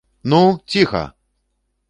- Ну, цiха!